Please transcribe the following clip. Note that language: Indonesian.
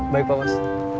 baik pak bos